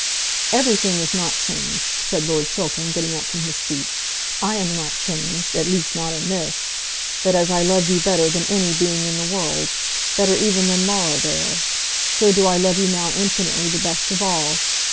"Everything is not changed," said Lord Chiltern, getting up from his seat. "I am not changed, at least not in this, that as I loved you better than any being in the world, better even than Laura there, so do I love you now infinitely the best of all.